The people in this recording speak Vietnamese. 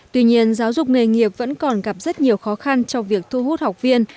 tuy nhiên giáo dục nghề nghiệp vẫn còn gặp rất nhiều khó khăn trong việc thu hút học viên